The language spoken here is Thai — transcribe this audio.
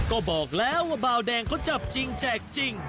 ก็บอกแล้วว่าบาวแดงเขาจับจริงแจกจริง